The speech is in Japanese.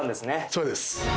そうです